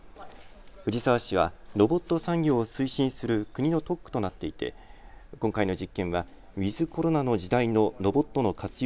藤沢市はロボット産業を推進する国の特区となっていて今回の実験はウィズコロナの時代のロボットの活用